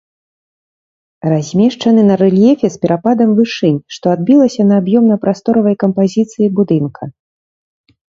Размешчаны на рэльефе з перападам вышынь, што адбілася на аб'ёмна-прасторавай кампазіцыі будынка.